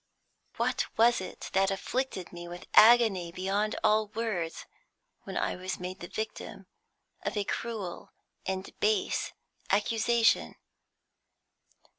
What was it that afflicted me with agony beyond all words when I was made the victim of a cruel and base accusation?